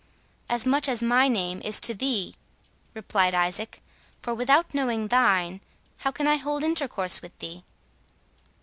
"As much as my name is to thee," replied Isaac; "for without knowing thine, how can I hold intercourse with thee?"